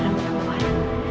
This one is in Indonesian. siapapun pernah menemuan